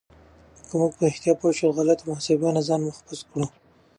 که موږ رښتیا پوه شو، نو د غلطو محاسبو نه ځان محفوظ کړو.